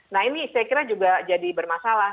nah ini saya kira juga jadi bermasalah